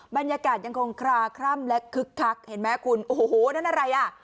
บรรยากาศยังคงคลาคร่ำและคึกคักเห็นไหมคุณโอ้โหนั่นอะไรอ่ะ